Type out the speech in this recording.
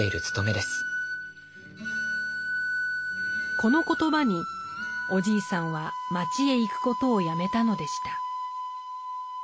この言葉におじいさんは町へ行くことをやめたのでした。